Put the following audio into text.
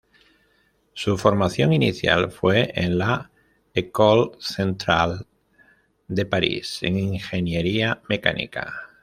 Su Formación inicial fue en la École Centrale de París, en Ingeniería Mecánica.